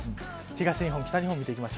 東日本、北日本です。